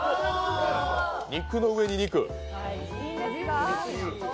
肉の上に肉！